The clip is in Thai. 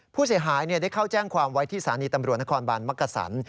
ผู้เสียหายได้เข้าแจ้งความไว้ที่สถานีตำรวจนครบานมักกษัน